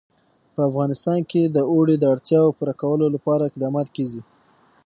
په افغانستان کې د اوړي د اړتیاوو پوره کولو لپاره اقدامات کېږي.